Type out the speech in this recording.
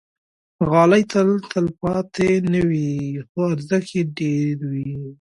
غالۍ تل تلپاتې نه وي، خو ارزښت یې ډېر وي.